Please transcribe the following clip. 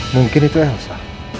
mungkin itu elsa